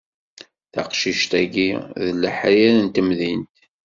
Taqcict-agi d leḥrir n temdint.